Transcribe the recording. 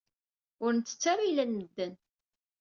Ur nettett ara ayla n medden.